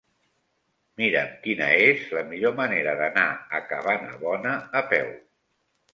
Mira'm quina és la millor manera d'anar a Cabanabona a peu.